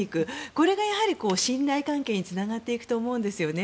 これがやはり、信頼関係につながっていくと思うんですよね。